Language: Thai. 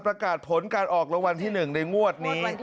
ประกาศผลการออกรางวัลที่๑ในงวดนี้